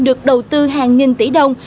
được đầu tư hàng nghìn tỷ đồng